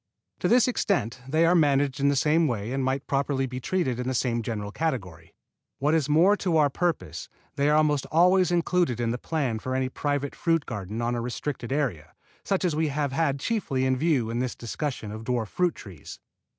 To this extent they are managed in the same way and might properly be treated in the same general category. What is more to our purpose, they are almost always included in the plan of any private fruit garden on a restricted area, such as we have had chiefly in view in this discussion of dwarf fruit trees.